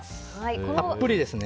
たっぷりですね。